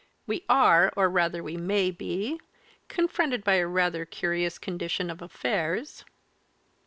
"We are, or rather we may be confronted by rather a curious condition of affairs."